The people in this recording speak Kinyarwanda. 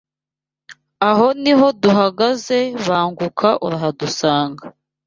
Aho ni ho duhagaze banguka urahadusanga